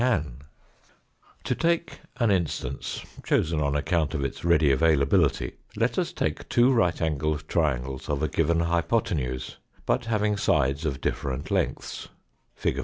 THE USE OF FOUR DIMENSIONS IN THOUGHT 87 To take an instance chosen on account of its ready availability. Let us take two right angled triangles of a given hypothenuse, but having sides of different lengths (fig.